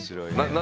何？